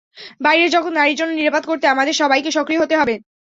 বাইরের জগৎ নারীর জন্য নিরাপদ করতে আমাদের সবাইকে সক্রিয় হতে হবে।